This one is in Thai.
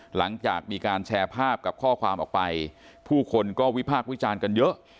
หลังจากมีการแชร์ภาพกับข้อความออกไปผู้คนก็วิพากษ์วิจารณ์กันเยอะ